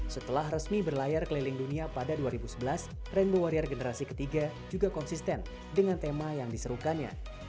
setelah resmi berlayar keliling dunia pada dua ribu sebelas rainbow warrior generasi ketiga juga konsisten dengan tema yang diserukannya